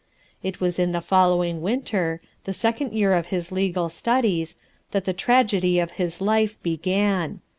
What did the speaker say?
It was in the following winter, the second year of his legal studies, that the tragedy of his life began.